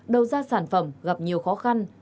đầu ra sản phẩm gặp nhiều khó khăn